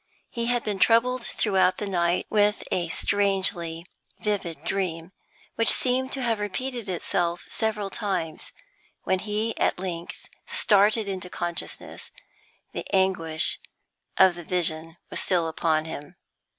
He had been troubled throughout the night with a strangely vivid dream, which seemed to have repeated itself several times; when he at length started into consciousness the anguish of the vision was still upon him.